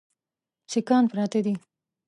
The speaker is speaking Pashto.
سیکهان پراته دي.